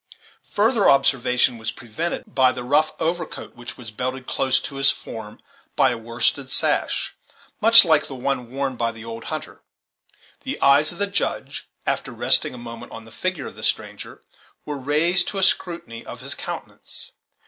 Further observation was prevented by the rough overcoat which was belted close to his form by a worsted sash, much like the one worn by the old hunter. The eyes of the Judge, after resting a moment on the figure of the stranger, were raised to a scrutiny of his countenance.